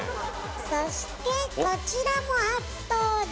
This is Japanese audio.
そしてこちらも初登場！